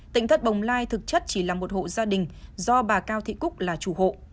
tỉnh thất bồng lai thực chất chỉ là một hộ gia đình do bà cao thị cúc là chủ hộ